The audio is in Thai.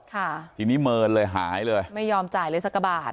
ค่ะทีนี้เมินเลยหายเลยไม่ยอมจ่ายเลยสักกระบาท